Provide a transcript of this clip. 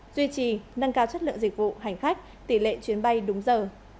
duy trì nâng cao chất lượng dịch vụ hành khách tỷ lệ chuyến bay đúng giờ